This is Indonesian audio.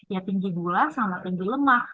ya tinggi gula sama tinggi lemak